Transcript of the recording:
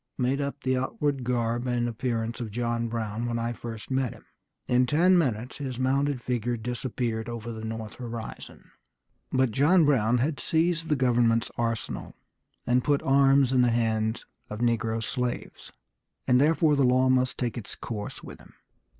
made up the outward garb and appearance of John Brown when I first met him. In ten minutes his mounted figure disappeared over the north horizon." But John Brown had seized the government's arsenal, and put arms in the hands of negro slaves, and therefore the law must take its course with him.